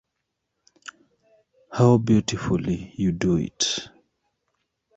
How beautifully you do it!